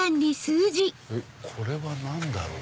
これは何だろう？